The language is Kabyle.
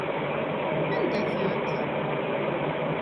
Anda-tent?